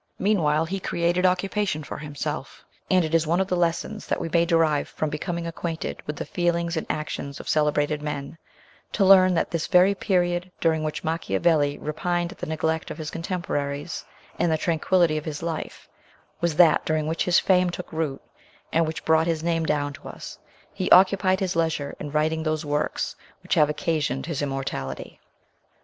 Meanwhile he created occupation for himself, and it is one of the lessons that we may derive from becoming acquainted with the feelings and actions of celebrated men, to learn that this very period during which Machiavelli repined at the neglect of his contemporaries, and the tran quillity of his life, was that during which his fame took root, and which brought his name down to us. He occupied his leisure in writing those works which have occasioned his immortality."